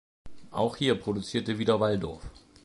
Auch hier produzierte wieder Walldorf.